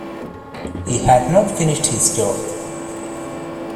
He had not finished his job.